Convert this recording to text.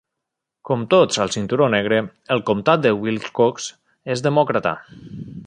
Com tots al Cinturó Negre, el comtat de Wilcox és demòcrata.